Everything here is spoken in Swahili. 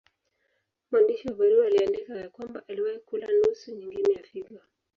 Mwandishi wa barua aliandika ya kwamba aliwahi kula nusu nyingine ya figo.